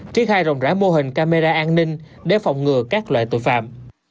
tri khai rộng rãi mô hình camera an ninh để phòng ngừa các loại tội phạm